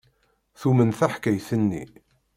Tumen taḥkayt-nni.